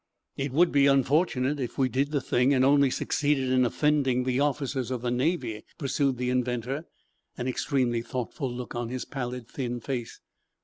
"It would be unfortunate if we did the thing, and only succeeded in offending the officers of the Navy," pursued the inventor, an extremely thoughtful look on his pallid, thin face.